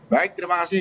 baik terima kasih